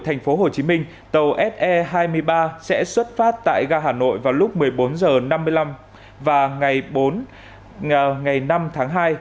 thành phố hồ chí minh tàu se hai mươi ba sẽ xuất phát tại ga hà nội vào lúc một mươi bốn h năm mươi năm và ngày bốn ngày năm tháng hai